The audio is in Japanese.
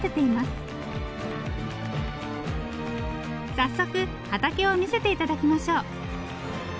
早速畑を見せて頂きましょう。